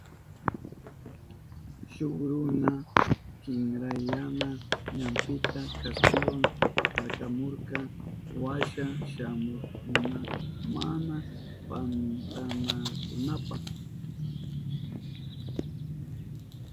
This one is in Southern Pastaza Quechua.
Shuk runa kinkrayana ñampita kaspiwa arkamurka washa shamuhukkuna mana pantanankunapa.